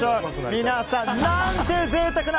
皆さん、何て贅沢な！